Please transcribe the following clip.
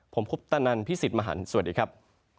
ผมคุปตะนันพี่สิทธิ์มหันฯสวัสดีครับ